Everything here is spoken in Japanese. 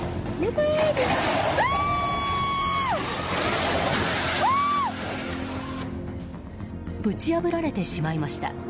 ぶち破られてしまいました。